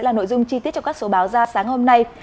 và đây là nội dung chi tiết cho các số báo ra sáng hôm nay